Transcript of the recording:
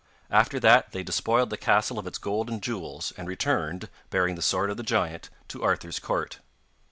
After that they despoiled the castle of its gold and jewels, and returned, bearing the sword of the giant, to Arthur's court.